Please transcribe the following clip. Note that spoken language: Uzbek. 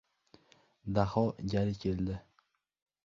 Daho gali keldi.